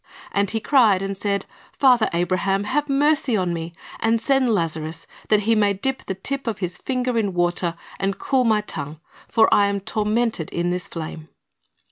And he cried and said, Father Abraham, have mercy on me, and send Lazarus, that he may dip the tip of his finger in water, and cool my tongue; for I am tormented in this flame."